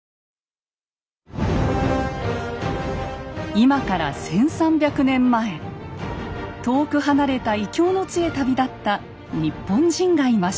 今から１，３００年前遠く離れた異郷の地へ旅立った日本人がいました。